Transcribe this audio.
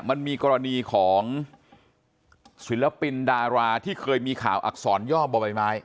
มันมีกรณีของศิลปินดาราที่เคยมีข่าวอักษรย่อบ่อใบไม้